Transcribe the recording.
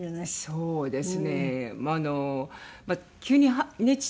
そうです。